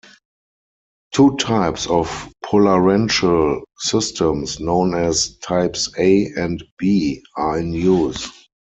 Two types of polarential systems, known as types A and B, are in use.